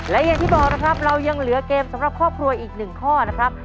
และอย่างที่บอกนะครับเรายังเหลือเกมสำหรับครอบครัวอีก๑ข้อนะครับ